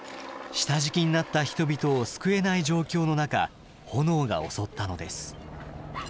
下敷きになった人々を救えない状況の中炎が襲ったのです。